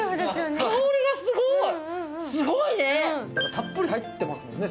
たっぷり入ってますもんね。